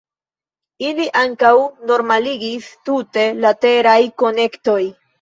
Ili ankaŭ normaligis tute la teraj konektoj.